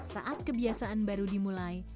saat kebiasaan baru dimulai